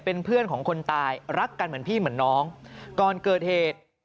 เป็นเพื่อนของคนตายรักกันเหมือนพี่เหมือนน้องก่อนเกิดเหตุ